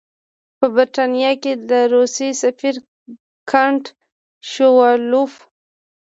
په برټانیه کې د روسیې سفیر کنټ شووالوف.